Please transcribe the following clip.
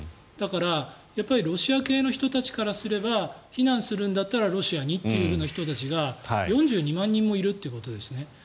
だからロシア系の人たちからすれば避難するんだったらロシアにという人たちが４２万人もいるってことですね。